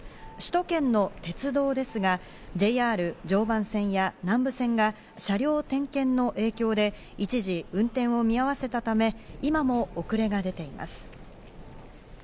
首都圏の鉄道ですがＪＲ常磐線や南武線が車両点検の影響で一時運転を見合わせたため、今も遅れが出ています。